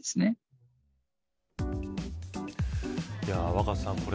若狭さん